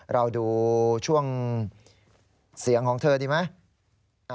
เราดูช่วงเสียงของเธอดีไหม